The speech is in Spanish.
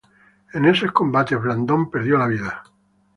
En esos combates Blandón perdió la vida.